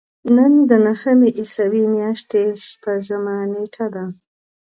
نن د نهمې عیسوي میاشتې شپږمه نېټه ده.